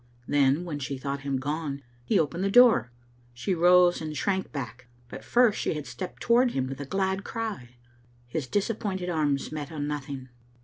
Then, when she thought him gone, he opened the door. She rose and shrank back, but first she had stepped toward him with a glad cry. His disappointed arms met on nothing.